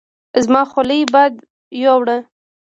زما حولی باد ويوړه